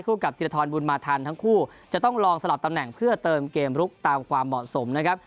กับธิรทรบุญมาทันทั้งคู่จะต้องลองสลับตำแหน่งเพื่อเติมเกมลุกตามความเหมาะสมนะครับ